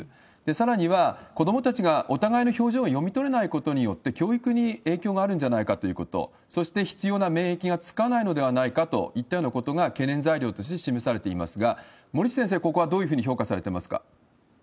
さらには、子どもたちがお互いの表情を読み取れないことによって、教育に影響があるんじゃないかということ、そして、必要な免疫がつかないのではないかといったようなことが、懸念材料として示されていますが、森内先生、ここはどういうふうに評価されてますか？